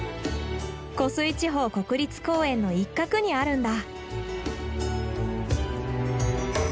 湖水地方国立公園の一角にあるんだ。